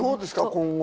今後。